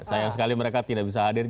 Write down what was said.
sayang sekali mereka tidak bisa hadir